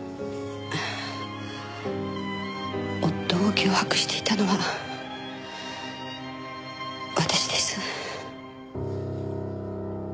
夫を脅迫していたのは私です。